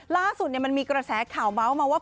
ล่าสุดมันมีกระแสข่าวเมาส์มาว่า